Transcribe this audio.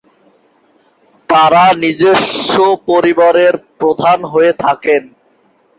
তারা নিজস্ব পরিবারের প্রধান হয়ে থাকেন।